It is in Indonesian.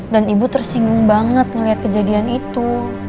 dan ibu tersinggung banget ngeliat kejadian itu